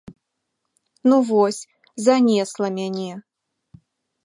Ну вось, занесла мяне.